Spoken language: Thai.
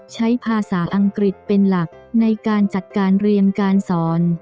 ใช้ภาษาอังกฤษเป็นหลักในการจัดการเรียนการสอน